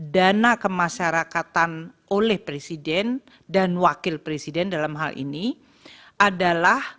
dana kemasyarakatan oleh presiden dan wakil presiden dalam hal ini adalah